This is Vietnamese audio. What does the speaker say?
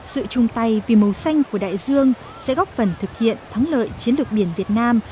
sự chung tay vì màu xanh của đại dương sẽ góp phần thực hiện thắng lợi chiến lược biển việt nam